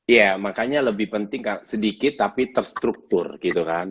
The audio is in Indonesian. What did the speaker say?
ya makanya lebih penting sedikit tapi terstruktur gitu kan